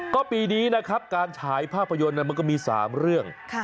ก็ปีนี้นะครับการฉายภาพยนตร์มันก็มี๓เรื่อง